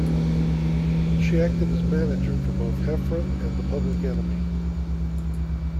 She acted as manager for both Heffron and The Public Enemy.